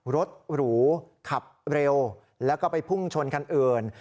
รถหรูขับเร็วแล้วก็ไปพุ่งชนคันอื่น